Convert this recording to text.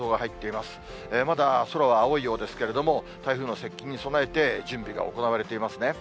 まだ空は青いようですけれども、台風の接近に備えて準備が行われていますね。